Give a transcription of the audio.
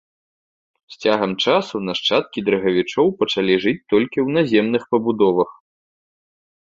З цягам часу нашчадкі дрыгавічоў пачалі жыць толькі ў наземных пабудовах.